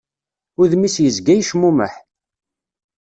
Udem-is yezga yecmumeḥ.